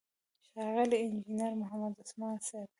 ښاغلی انجينر محمد عثمان صيب،